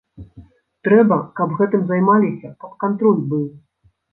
Трэба, каб гэтым займаліся, каб кантроль быў.